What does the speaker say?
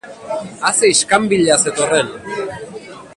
A ze iskanbila zetorren!